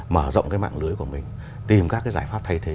mở rộng cái mạng lưới của mình tìm các cái giải pháp thay thế